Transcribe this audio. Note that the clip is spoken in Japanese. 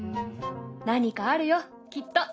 何かあるよきっと。